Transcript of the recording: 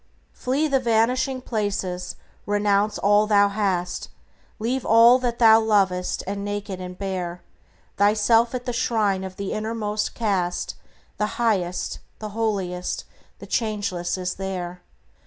Flee the vanishing places; renounce all thou hast; Leave all that thou lovest, and, naked and bare, Thyself at the shrine of the Innermost cast; The Highest, the Holiest, the Changeless is there.